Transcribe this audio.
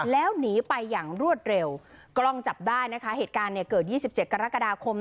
แล้วหนีไปอย่างรวดเร็วกล้องจับได้นะคะเหตุการณ์เนี่ยเกิด๒๗กรกฎาคม